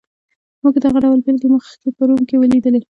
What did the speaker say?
موږ دغه ډول بېلګې مخکې په روم کې ولیدلې.